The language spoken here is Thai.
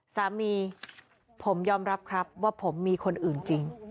สามีผมยอมรับครับว่าผมมีคนอื่นจริง